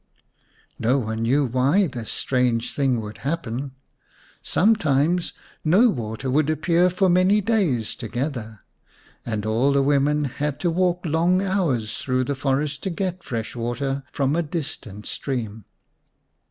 No one knew why this strange thing should happen ; sometimes no water would appear for many days together, and all the women had to walk long hours through the forest to get fresh water from a distant stream.